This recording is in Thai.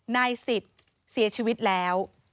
นายสิทธิ์เสียชีวิตแล้ว